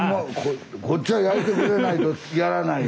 こっちは焼いてくれないとやらない。